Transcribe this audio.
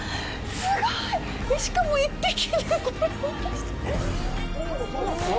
すごい！しかも１匹で。